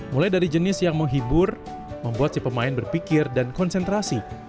mulai dari jenis yang menghibur membuat si pemain berpikir dan konsentrasi